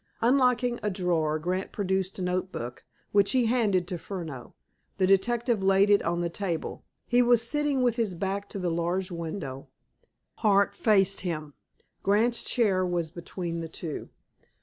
Unlocking a drawer, Grant produced a notebook, which he handed to Furneaux. The detective laid it on the table. He was sitting with his back to the large window. Hart faced him. Grant's chair was between the two.